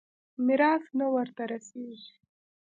ميراث نه ورته رسېږي.